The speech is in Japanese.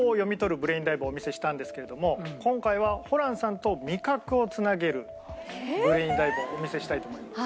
ブレインダイブをお見せしたんですけれども今回はホランさんと味覚をつなげるブレインダイブをお見せしたいと思います。